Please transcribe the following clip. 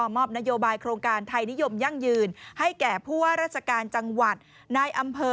มอบนโยบายโครงการไทยนิยมยั่งยืนให้แก่ผู้ว่าราชการจังหวัดนายอำเภอ